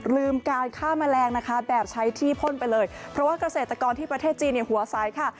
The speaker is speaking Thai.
ลืมการฆ่าแมลงนะคะแบบใช้ที่พ่นไปเลยเพราะว่าเกษตรกรที่ประเทศจีนเนี่ยหัวใสค่ะ